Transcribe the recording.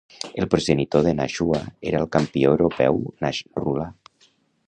El progenitor de Nashua era el campió europeu Nasrullah.